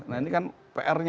nah ini kan pr nya ini pr bangsa